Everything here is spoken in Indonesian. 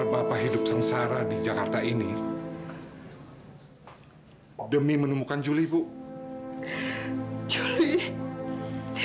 sampai jumpa di video selanjutnya